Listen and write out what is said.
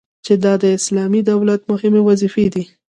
چي دا د اسلامي دولت مهمي وظيفي دي